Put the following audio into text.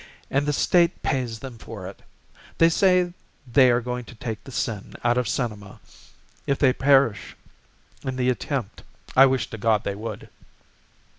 And the state pays them for it. They say they are going to take the sin out of cinema If they perish in the attempt, I wish to God they would!